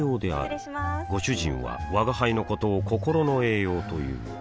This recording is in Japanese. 失礼しまーすご主人は吾輩のことを心の栄養という